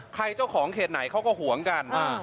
เจ้าของเขตไหนเขาก็ห่วงกัน